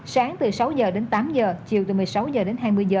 sáng từ sáu h đến tám h chiều từ một mươi sáu h đến hai mươi h